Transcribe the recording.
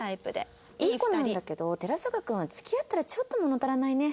いい子なんだけど寺坂君は付き合ったらちょっと物足らないね。